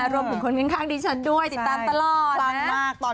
รวมบุคคลเงินครับดิฉันด้วยติดตามตลอดนะ